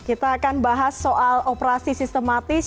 kita akan bahas soal operasi sistematis